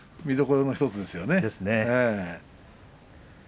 見どころの１つですよね。